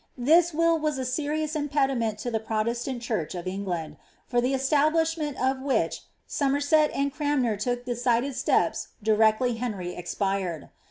Ttq will was a serious impediment to the Protestant church of England, R the establish men t of which Somerset und Cranmer took decided stei directly Henry expired.